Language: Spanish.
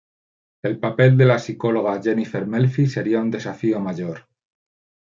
El papel de la psicóloga Jennifer Melfi sería un desafío mayor.